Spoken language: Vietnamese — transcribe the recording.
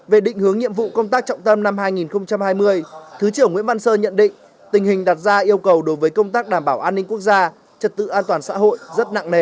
về định hướng nhiệm vụ công tác trọng tâm năm hai nghìn hai mươi thứ trưởng nguyễn văn sơn nhận định tình hình đặt ra yêu cầu đối với công tác đảm bảo an ninh quốc gia trật tự an toàn xã hội rất nặng nề